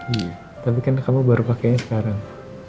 iya tapi kan kamu baru pakainya sekarang